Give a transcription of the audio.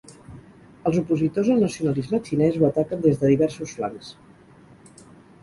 Els opositors al nacionalisme xinès ho ataquen des de diversos flancs.